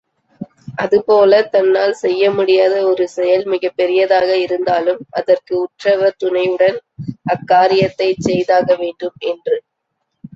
அதுபோலத் தன்னால் செய்யமுடியாத ஒரு செயல் மிகப் பெரியதாக இருந்தாலும், அதற்கு உற்றவர் துணையுடன் அக்காரியத்தைச் செய்தாகவேண்டும் என்று.